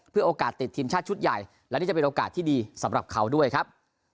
เพื่อโอกาสติดทีมชาติชุดใหญ่และนี่จะเป็นโอกาสที่ดีสำหรับเขาด้วยครับ